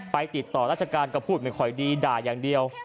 ไปติดต่อราชการก็พูดไม่ค่อยดีด่าอย่างเดียว